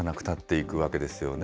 いくわけですよね。